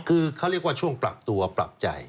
คือเขาเรียกว่าช่วงปรับตัวปรับใจ